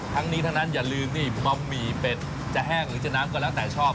ทั้งนี้ทั้งนั้นอย่าลืมนี่บะหมี่เป็ดจะแห้งหรือจะน้ำก็แล้วแต่ชอบ